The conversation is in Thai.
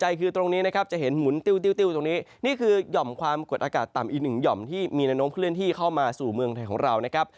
อีกหนึ่งหย่อมที่มีแนะนมเคลื่อนที่เข้ามาสู่เมืองไทยของเรา